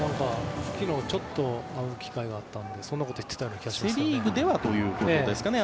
昨日ちょっと会う機会があったのでそんなこと言っていた気がしますね。